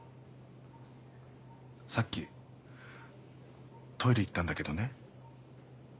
さっきトイレ行ったんだけどね。